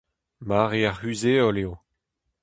Mare ar c'huzh-heol eo.